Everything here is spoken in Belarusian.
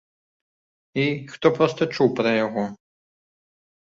І, хто проста чуў пра яго.